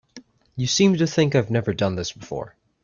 You seem to think I've never done this before.